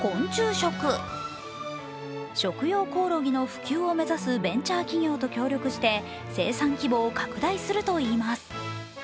食用コオロギの普及を目指すベンチャー企業と協力して生産規模を拡大するといいます。